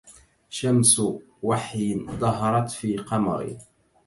شمس وحي ظهرت في قمري